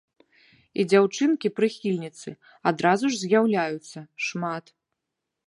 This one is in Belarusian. І дзяўчынкі-прыхільніцы адразу ж з'яўляюцца, шмат!